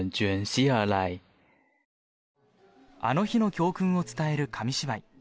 あの日の教訓を伝える紙芝居。